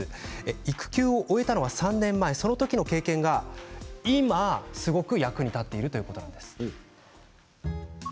育休を終えたのは３年前その時の経験が今、すごく役に立っているということなんです。